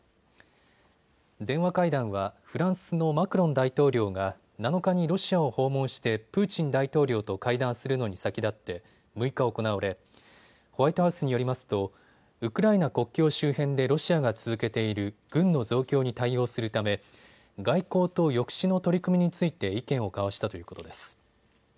電話会談はフランスのマクロン大統領が７日にロシアを訪問してプーチン大統領と会談するのに先立って６日、行われホワイトハウスによりますとウクライナ国境周辺でロシアが続けている軍の増強に対応するため外交と抑止の取り組みについて意見を交わしたということです。